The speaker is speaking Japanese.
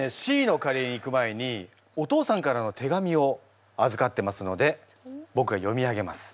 Ｃのカレーに行く前にお父さんからの手紙をあずかってますのでぼくが読み上げます。